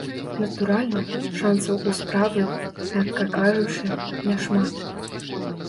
Натуральна, шанцаў у справы, мякка кажучы, няшмат.